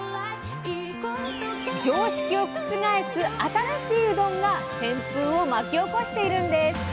常識を覆す「新しいうどん」が旋風を巻き起こしているんです。